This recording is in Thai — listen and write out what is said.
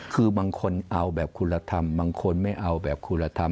คือบางคนเอาแบบคุณละธรรมบางคนไม่เอาแบบคุณละธรรม